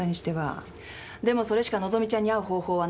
でもそれしか和希ちゃんに会う方法はない。